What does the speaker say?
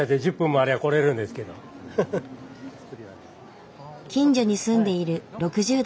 近所に住んでいる６０代の男性。